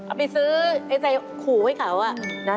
เอาไปซื้อไอ้ใส่ขูให้เขา